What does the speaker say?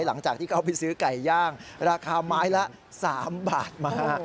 หลังจากที่เขาไปซื้อไก่ย่างราคาไม้ละ๓บาทมา